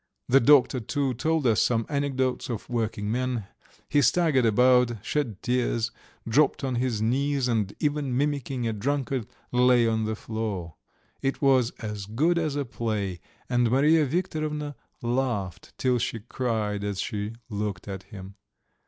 The doctor, too, told us some anecdotes of working men: he staggered about, shed tears, dropped on his knees, and, even, mimicking a drunkard, lay on the floor; it was as good as a play, and Mariya Viktorovna laughed till she cried as she looked at him.